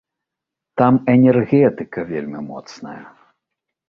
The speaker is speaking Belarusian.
Там энергетыка вельмі моцная.